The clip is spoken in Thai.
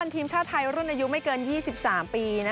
ทีมชาติไทยรุ่นอายุไม่เกิน๒๓ปี